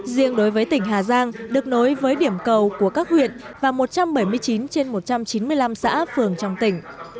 riêng đối với tỉnh hà giang được nối với điểm cầu của các huyện và một trăm bảy mươi chín trên một trăm chín mươi năm xã phường trong tỉnh